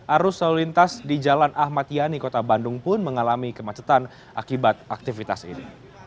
arus lalu lintas di jalan ahmad yani kota bandung pun mengalami kemacetan akibat aktivitas ini